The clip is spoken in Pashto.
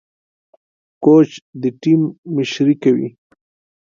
کوچ د ټيم مشري کوي.